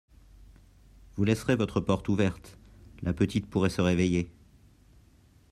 Vous laisserez votre porte ouverte… la petite pourrait se réveiller…